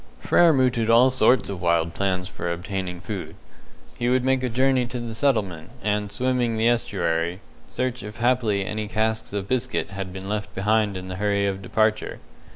Frere mooted all sorts of wild plans for obtaining food. He would make a journey to the settlement, and, swimming the estuary, search if haply any casks of biscuit had been left behind in the hurry of departure.